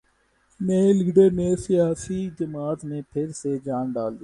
نئےلیڈر نے سیاسی جماعت میں پھر سے جان ڈال دی